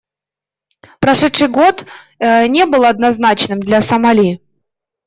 Прошедший год не был однозначным для Сомали.